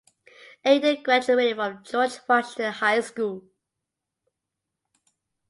Ada graduated from George Washington High School.